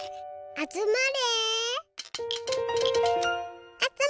あつまれ。